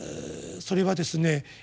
それはですね